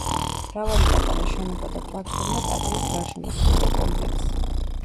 მრავალი პატარა შენობა და პლატფორმა ტაძრის გარშემო ქმნიდა კომპლექსს.